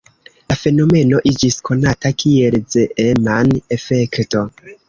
La fenomeno iĝis konata kiel Zeeman-efekto.